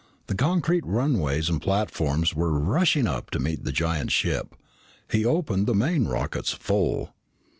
The concrete runways and platforms were rushing up to meet the giant ship. He opened the main rockets full.